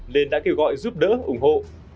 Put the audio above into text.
nên đã kêu gọi giúp đỡ ủng hộ